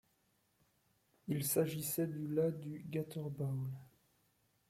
Il s'agissait de la du Gator Bowl.